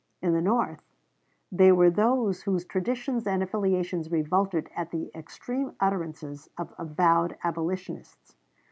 In the North, they were those whose traditions and affiliations revolted at the extreme utterances of avowed abolitionists.